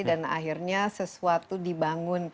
dan akhirnya sesuatu dibangun